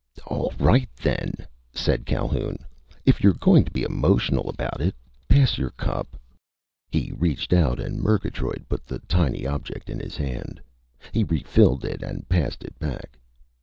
_" "All right, then," said Calhoun, "if you're going to be emotional about it! Pass your cup." He reached out and Murgatroyd put the tiny object in his hand. He refilled it and passed it back.